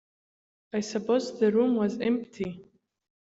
I supposed the room was empty.